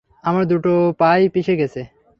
আমার দুটো পা-ই পিষে গেছে।